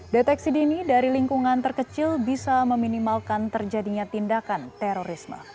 deteksi dini dari lingkungan terkecil bisa meminimalkan terjadinya tindakan terorisme